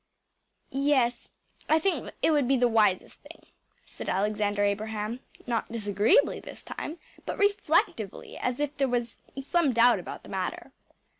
‚ÄĚ “Yes, I think it would be the wisest thing,‚ÄĚ said Alexander Abraham not disagreeably this time, but reflectively, as if there was some doubt about the matter.